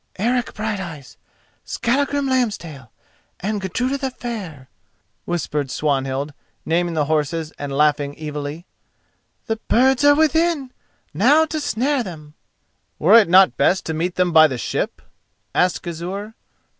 "Eric Brighteyes, Skallagrim Lambstail, and Gudruda the Fair," whispered Swanhild, naming the horses and laughing evilly—"the birds are within! Now to snare them." "Were it not best to meet them by the ship?" asked Gizur.